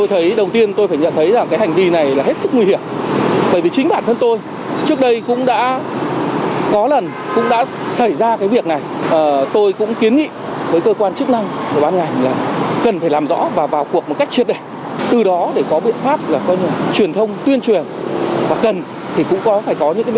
hãy đăng ký kênh để ủng hộ kênh của mình nhé